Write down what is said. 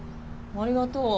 ありがとう。